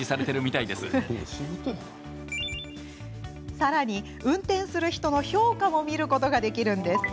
さらに、運転する人の評価も見ることができるんです。